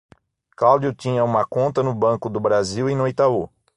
Cláudio tinha uma conta no Banco do Brasil e no Itaú.